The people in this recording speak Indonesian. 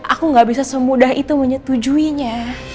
aku gak bisa semudah itu menyetujuinya